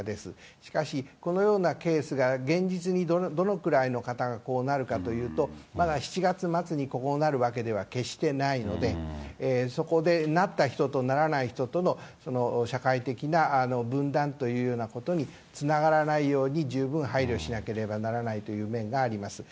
しかし、このようなケースが、現実にどのくらいの方がこうなるかというと、まだ７月末にこうなるわけでは決してないので、そこでなった人と、ならない人との社会的な分断というようなことにつながらないように、十分配慮しなければならないという面があります。